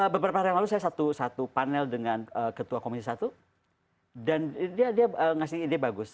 beberapa hari yang lalu saya satu panel dengan ketua komisi satu dan dia ngasih ide bagus